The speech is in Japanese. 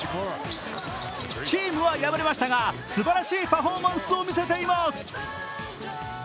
チームは敗れましたがすばらしいパフォーマンスを見せています。